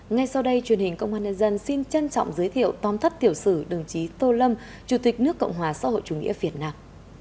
ngay sau đây truyền hình công an nhân dân xin trân trọng giới thiệu tóm tắt tiểu sử đồng chí tô lâm chủ tịch nước cộng hòa xã hội chủ nghĩa việt nam